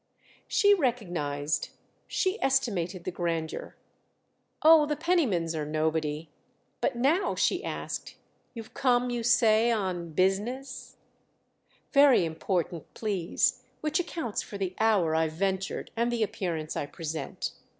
She recognised; she estimated the grandeur. "Oh, the Pennimans are nobody! But now," she asked, "you've come, you say, on 'business'?" "Very important, please—which accounts for the hour I've ventured and the appearance I present."